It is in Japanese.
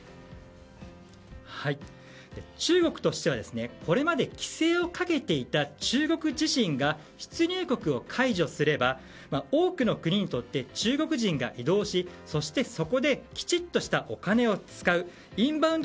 中国としてはこれまで規制をかけていた中国自身が、出入国を解除すれば多くの国にとって中国人が移動しそしてそこできちっとしたお金を使うインバウンド